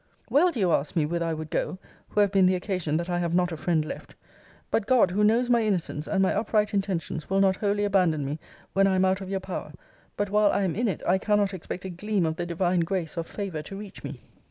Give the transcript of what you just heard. Well do you ask me, whither I would go, who have been the occasion that I have not a friend left! But God, who knows my innocence, and my upright intentions, will not wholly abandon me when I am out of your power; but while I am in it, I cannot expect a gleam of the divine grace or favour to reach me.